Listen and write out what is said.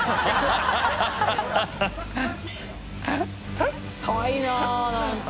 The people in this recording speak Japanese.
▲張魁かわいいな何か。